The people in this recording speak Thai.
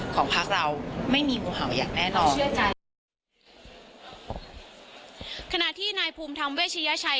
ของพักเราไม่มีงูเห่าอย่างแน่นอนเชื่อใจขณะที่นายภูมิธรรมเวชยชัย